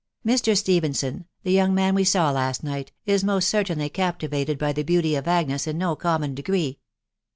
Mr. Stephenson, the young man we saw last night, is most certainly captivated by the beauty of Agnes in no common degree.